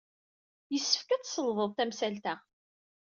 Yessefk ad tselḍed tamsalt-a.